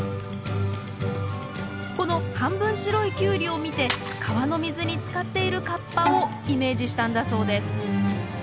この半分白いキュウリを見て川の水につかっている河童をイメージしたんだそうです